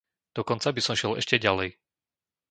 Dokonca by som šiel ešte ďalej.